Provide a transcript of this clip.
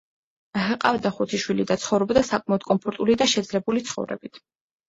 ჰყავდა ხუთი შვილი და ცხოვრობდა საკმაოდ კომფორტული და შეძლებული ცხოვრებით.